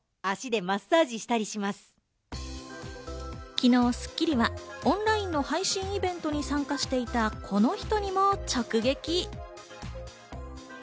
昨日、『スッキリ』はオンラインの配信イベントに参加していたこの人にも直撃。